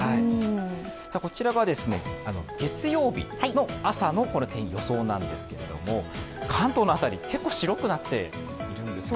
こちらが月曜日の朝の予想なんですけれども、関東の辺り、結構白くなっているんですよね。